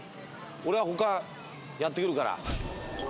俺は他やってくるから。